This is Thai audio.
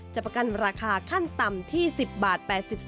ประกันราคาขั้นต่ำที่๑๐บาท๘๒